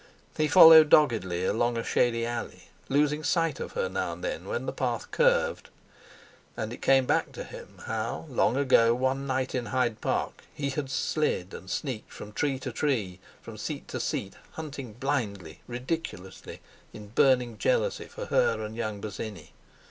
He followed doggedly along a shady alley, losing sight of her now and then when the path curved. And it came back to him how, long ago, one night in Hyde Park he had slid and sneaked from tree to tree, from seat to seat, hunting blindly, ridiculously, in burning jealousy for her and young Bosinney.